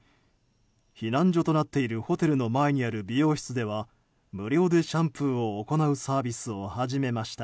避難所となっているホテルの前にある美容室では無料でシャンプーを行うサービスを始めました。